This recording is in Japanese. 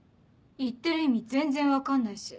言ってる意味全然分かんないし。